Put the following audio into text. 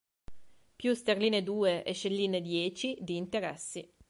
Più sterline due e scellini dieci di interessi.